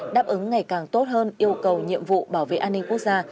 đáp ứng ngày càng tốt hơn yêu cầu nhiệm vụ bảo vệ an ninh quốc gia